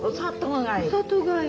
お里帰り。